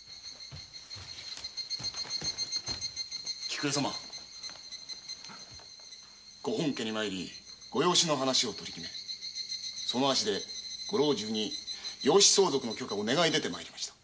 菊恵様ご本家に参りご養子の話を決めその足でご老中に養子相続の許可を願い出て来ました。